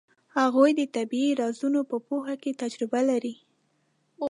هغوی د طبیعي رازونو په پوهه کې تجربه لرله.